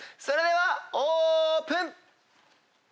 それではオープン！